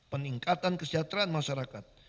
peningkatan kesejahteraan masyarakat